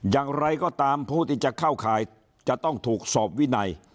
อย่างไรก็ตามผู้ที่จะเข้าข่ายจะต้องถูกสอบวินัย